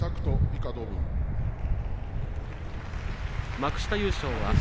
幕下優勝